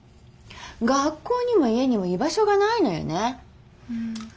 学校にも家にも居場所がないのよね。